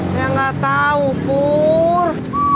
saya gak tau pur